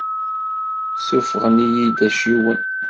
Ssuffɣen-iyi-d acciwen.